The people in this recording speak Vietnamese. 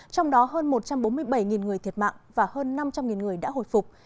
trong đó hơn một trăm bốn mươi bảy người thiệt mạng và hơn năm trăm linh người đã hồi phục